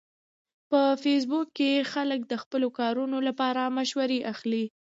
په فېسبوک کې خلک د خپلو کارونو لپاره مشورې اخلي